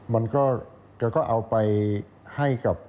มันก็เอาไปให้กับ